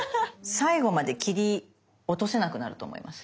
最後まで切り落とせなくなると思います。